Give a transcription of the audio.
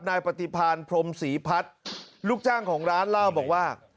นายปฏิพานพรมศรีพัฒน์ลูกจ้างของร้านเล่าบอกว่า